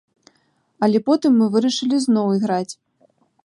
Але потым мы вырашылі зноў іграць.